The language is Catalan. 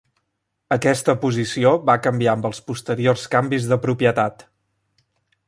Aquesta posició va canviar amb els posteriors canvis de propietat.